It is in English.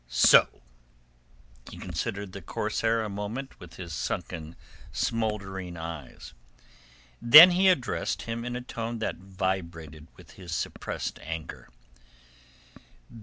So!" He considered the corsair a moment with his sunken smouldering eyes. Then he addressed him in a tone that vibrated with his suppressed anger.